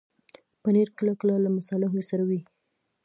پنېر کله کله له مصالحو سره وي.